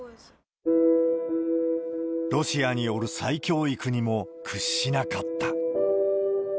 ロシアによる再教育にも屈しなかった。